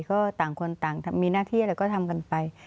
ก็ต่างคนต่างมีหน้าที่แล้วก็ทำกันไป